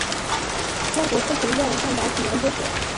中国科学院半导体研究所。